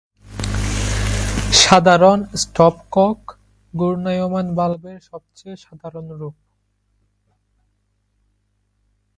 সাধারণ স্টপকক ঘূর্ণায়মান ভালভের সবচেয়ে সাধারণ রূপ।